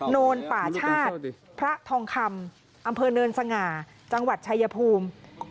โนนป่าชาติพระทองคำอำเภอเนินสง่าจังหวัดชายภูมิ